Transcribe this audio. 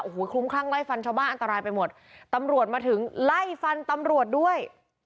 โอ้โหคลุ้มคลั่งไล่ฟันชาวบ้านอันตรายไปหมดตำรวจมาถึงไล่ฟันตำรวจด้วย